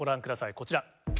こちら。